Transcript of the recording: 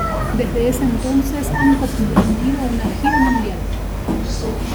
Desde ese entonces han comprendido una gira mundial.